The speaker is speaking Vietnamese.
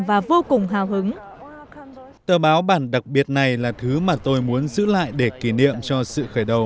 và vô cùng hào hứng tờ báo bản đặc biệt này là thứ mà tôi muốn giữ lại để kỷ niệm cho sự khởi đầu